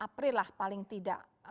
april lah paling tidak